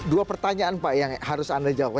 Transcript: dua pertanyaan pak yang harus anda jawab